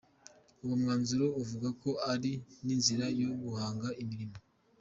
Uwo mwanzuro uvuga ko ari n’inzira yo guhanga imirimo.